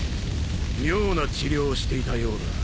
妙な治療をしていたようだ。